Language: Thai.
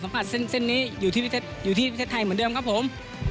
สำหรับเส้นนี้อยู่ที่พิเศษไทยเหมือนเดิมครับผม